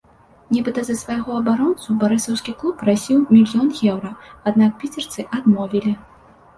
Нібыта за свайго абаронцу барысаўскі клуб прасіў мільён еўра, аднак піцерцы адмовілі.